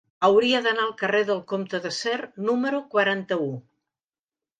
Hauria d'anar al carrer del Comte de Sert número quaranta-u.